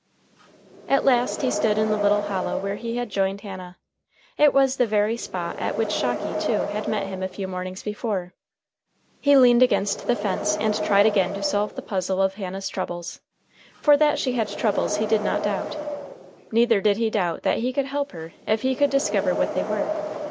At last he stood in the little hollow where he had joined Hannah. It was the very spot at which Shocky, too, had met him a few mornings before. He leaned against the fence and tried again to solve the puzzle of Hannah's troubles. For that she had troubles he did not doubt. Neither did he doubt that he could help her if he could discover what they were.